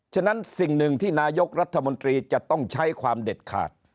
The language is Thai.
ฉะนั้นสิ่งหนึ่งที่นายกรัฐมนตรีจะต้องใช้ความเด็ดขาด